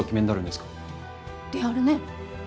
であるね。